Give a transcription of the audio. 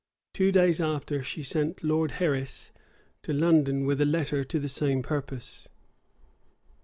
[*] Two days after, she sent Lord Herreis to London with a letter to the same purpose.